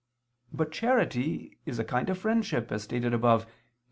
But charity is a kind of friendship, as stated above (Q.